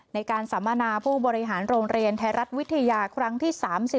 สัมมนาผู้บริหารโรงเรียนไทยรัฐวิทยาครั้งที่๓๐